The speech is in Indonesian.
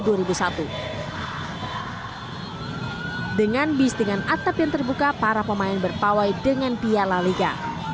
dengan bis dengan atap yang terbuka para pemain berpawai dengan piala liga